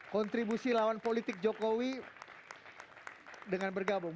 kontribusi lawan politik jokowi dengan bergabung